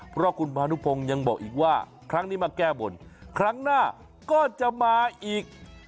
เพราะคุณพานุพงศ์ยังบอกอีกว่าครั้งนี้มาแก้บนครั้งหน้าก็จะมาอีก